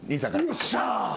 よっしゃ。